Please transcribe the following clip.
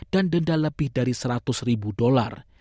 dan denda lebih dari seratus ribu dolar